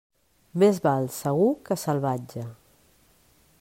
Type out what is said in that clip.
Més val segur que salvatge.